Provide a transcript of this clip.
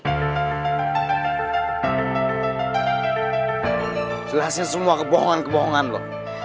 jelasin semua kebohongan kebohongan loh